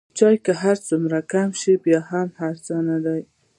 چای که هر څومره کم شي بیا هم ارزانه دی.